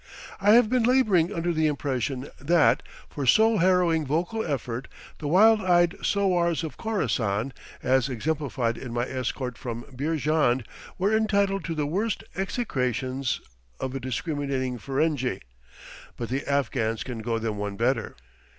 I have been laboring under the impression that, for soul harrowing vocal effort, the wild eyed sowars of Khorassan, as exemplified in my escort from Beerjand, were entitled to the worst execrations of a discriminating Ferenghi, but the Afghans can go them one better.